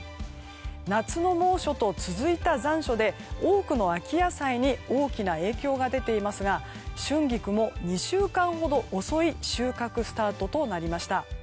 夏の猛暑と続いた残暑で多くの秋野菜に大きな影響が出ていますが春菊も２週間ほど遅い収穫スタートとなりました。